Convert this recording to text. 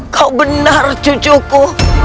kau benar cucuku